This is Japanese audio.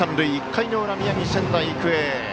１回の裏、宮城、仙台育英。